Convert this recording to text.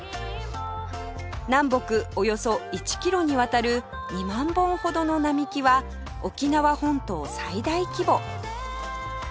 南北およそ１キロにわたる２万本ほどの並木は沖縄本島最大規模